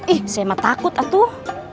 ih saya mah takut tuh